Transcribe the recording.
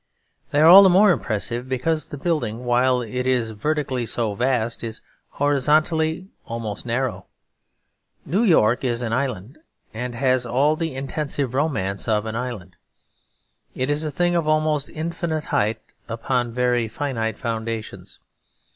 They are all the more impressive because the building, while it is vertically so vast, is horizontally almost narrow. New York is an island, and has all the intensive romance of an island. It is a thing of almost infinite height upon very finite foundations.